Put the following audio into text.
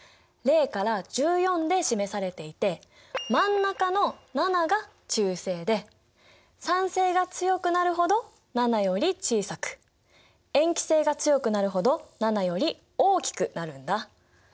０から１４で示されていて真ん中の７が中性で酸性が強くなるほど７より小さく塩基性が強くなるほど７より大きくなるんだ。